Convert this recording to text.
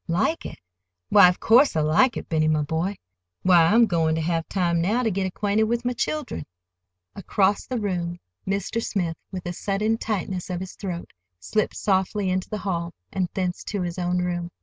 "Like it? Why, of course, I like it, Benny, my boy! Why, I'm going to have time now—to get acquainted with my children!" Across the room Mr. Smith, with a sudden tightening of his throat, slipped softly into the hall and thence to his own room.